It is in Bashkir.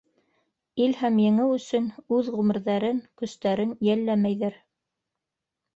Ил һәм еңеү өсөн үҙ ғүмерҙәрен, көстәрен йәлләмәйҙәр.